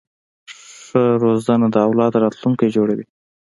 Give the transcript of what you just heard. ښه روزنه د اولاد راتلونکی جوړوي.